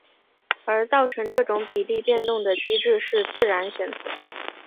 而造成这种比例变动的机制是自然选择。